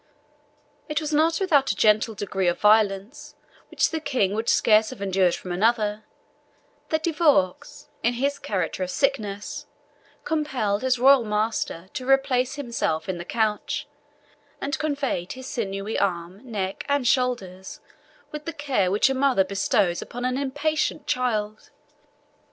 It was not without a gentle degree of violence, which the King would scarce have endured from another, that De Vaux, in his character of sick nurse, compelled his royal master to replace himself in the couch, and covered his sinewy arm, neck, and shoulders with the care which a mother bestows upon an impatient child.